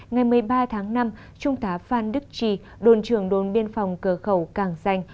ngày một mươi ba tháng năm trung tá phan đức trì đồn trưởng đồn biên phòng cờ khẩu cảng danh